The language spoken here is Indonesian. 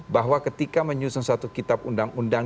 bahwa ketika menyusun satu kitab undang undang